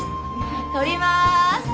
撮ります。